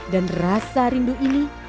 dan rasa rindu ini